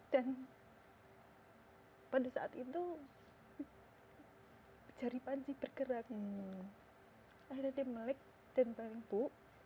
dan pada saat itu jari panji bergerak akhirnya dia melek dan baling bu